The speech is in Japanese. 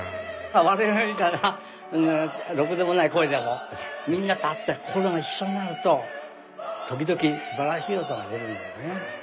我々みたいなろくでもない声でもみんなと合って心が一緒になると時々すばらしい音が出るんだよね。